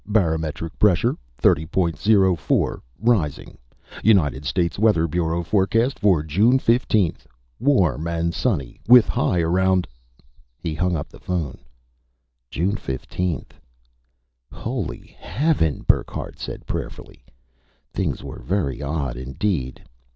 Barometric pressure thirty point zero four, rising ... United States Weather Bureau forecast for June 15th. Warm and sunny, with high around " He hung the phone up. June 15th. "Holy heaven!" Burckhardt said prayerfully. Things were very odd indeed.